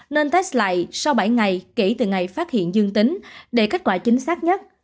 nên test lại sau bảy ngày kể từ ngày phát hiện dương tính để kết quả chính xác nhất